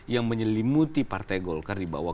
yang menyelimuti partai golkar di bawah